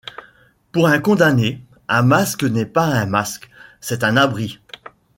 Pour un condamné, un masque n’est pas un masque, c’est un abri.